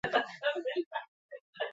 Bere esperientziaren berri emango du.